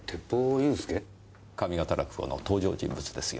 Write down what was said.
上方落語の登場人物ですよ。